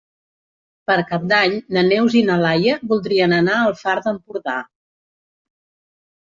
Per Cap d'Any na Neus i na Laia voldrien anar al Far d'Empordà.